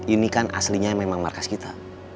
ini kan aslinya memang markas kita